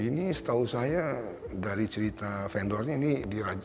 ini setahu saya dari cerita vendornya ini dibuat oleh tangan